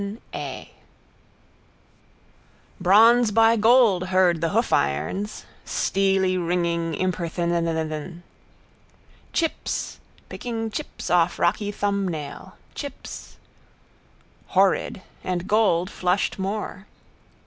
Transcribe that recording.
11 ] Bronze by gold heard the hoofirons, steelyringing. Imperthnthn thnthnthn. Chips, picking chips off rocky thumbnail, chips. Horrid! And gold flushed more.